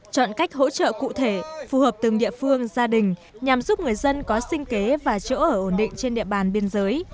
chọn cách hỗ trợ cụ thể phù hợp từng địa phương gia đình nhằm giúp người dân có sinh kế và chỗ ở ổn định trên địa bàn biên giới